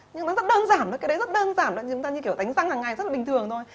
nhưng nó rất đơn giản cái đấy rất đơn giản chúng ta như kiểu tánh răng hàng ngày rất là bình thường thôi